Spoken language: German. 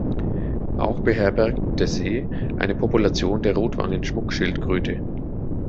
Auch beherbergt der See eine Population der Rotwangen-Schmuckschildkröte.